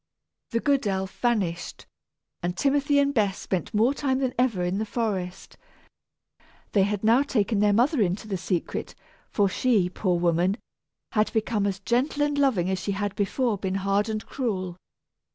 The good elf vanished, and Timothy and Bess spent more time than ever in the forest. They had now taken their mother into the secret, for she, poor woman, had become as gentle and loving as she had before been hard and cruel.